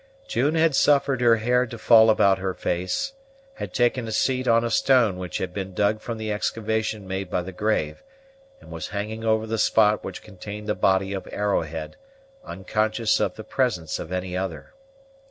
June had suffered her hair to fall about her face, had taken a seat on a stone which had been dug from the excavation made by the grave, and was hanging over the spot which contained the body of Arrowhead, unconscious of the presence of any other.